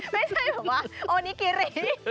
ไม่ใช่แบบว่าโอนิกิริ